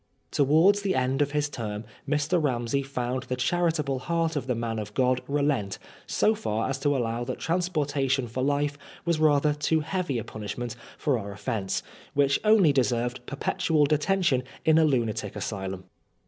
Towards the end of his term Mr. Eamsey found the charitable heart of the man of God relent so far as to allow that transportation for life was rather too heavy a punishment for our offence, which only deserved perpetual detention in a lunatic asylum.